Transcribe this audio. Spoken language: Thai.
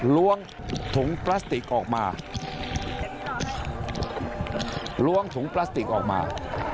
ล้วงถุงปลาสติกออกมา